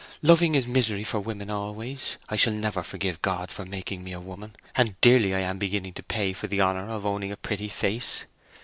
Loving is misery for women always. I shall never forgive God for making me a woman, and dearly am I beginning to pay for the honour of owning a pretty face."